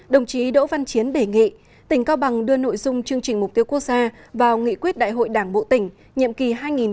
đồng chí đỗ văn chiến đề nghị tỉnh cao bằng đưa nội dung chương trình mục tiêu quốc gia vào nghị quyết đại hội đảng bộ tỉnh nhiệm kỳ hai nghìn hai mươi hai nghìn hai mươi năm